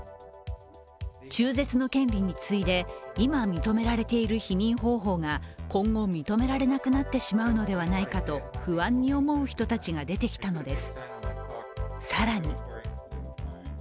中絶の権利に次いで、今、認められている避妊方法が今後、認められなくなってしまうのではないかと不安に思う人たちが出てきたのです。